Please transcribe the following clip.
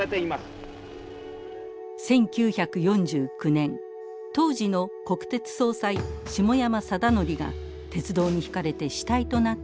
１９４９年当時の国鉄総裁下山定則が鉄道にひかれて死体となって発見された。